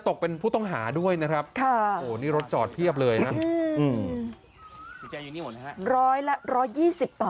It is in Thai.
ตกเป็นผู้ต้องหาด้วยนะครับนี่รถจอดเพียบเลยร้อยละ๑๒๐ต่อ